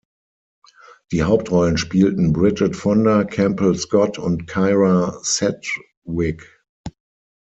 Die Hauptrollen spielten Bridget Fonda, Campbell Scott und Kyra Sedgwick.